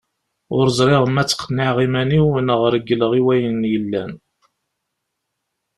Ur ẓriɣ ma ttqenniɛeɣ iman-iw neɣ regleɣ i wayen yellan?